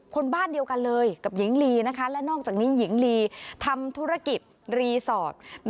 คนบ้านเดียวกันเลยกับหญิงลีนะคะและนอกจากนี้หญิงลีทำธุรกิจรีสอร์ท